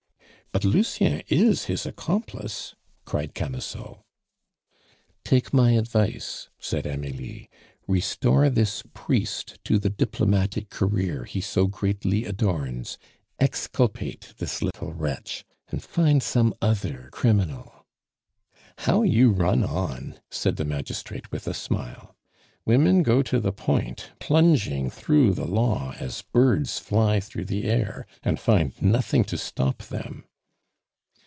"But Lucien is his accomplice," cried Camusot. "Take my advice," said Amelie. "Restore this priest to the diplomatic career he so greatly adorns, exculpate this little wretch, and find some other criminal " "How you run on!" said the magistrate with a smile. "Women go to the point, plunging through the law as birds fly through the air, and find nothing to stop them."